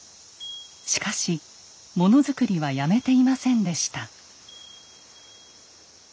しかしもの作りはやめていませんでした。